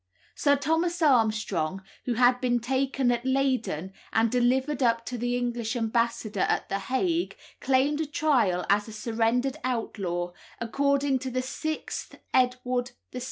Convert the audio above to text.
Sir Thomas Armstrong, who had been taken at Leyden and delivered up to the English Ambassador at the Hague, claimed a trial as a surrendered outlaw, according to the 6th Edward VI.